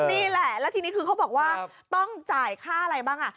นี่แหละแล้วทีนี้คือเขาบอกว่าต้องจ่ายค่าอะไรบ้างอ่ะ